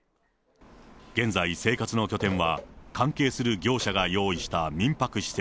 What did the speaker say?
現在、生活の拠点は、関係する業者が用意した民泊施設。